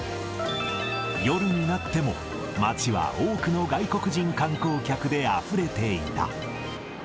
夜になっても、街は多くの外国人観光客であふれていた。